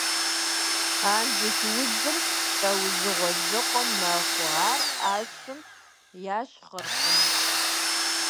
Андзыш удзыр лӏэужьыгъуэ зыкъом мэхъу, ар ӏэщым яшхыркъым.